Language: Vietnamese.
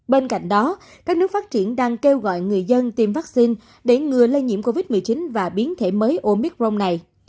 bên cạnh đó các nước phát triển đang kêu gọi người dân tiêm vaccine để ngừa lây nhiễm covid một mươi chín và biến thể mới omicron này